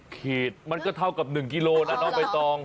๑๐ขีดมันก็เท่ากับ๑กิโลน่ะน่าวไปต้อง